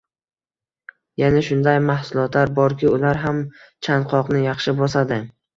Yana shunday mahsulotlar borki, ular ham chanqoqni yaxshi bosadi.